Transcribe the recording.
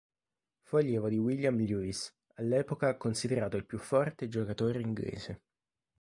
Fu allievo di William Lewis, all'epoca considerato il più forte giocatore inglese.